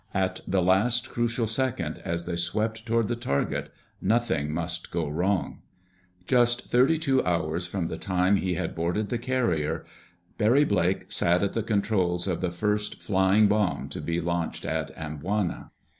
At the last crucial second as they swept toward the target, nothing must go wrong. Just thirty two hours from the time he had boarded the carrier, Barry Blake sat at the controls of the first "flying bomb" to be launched at Amboina.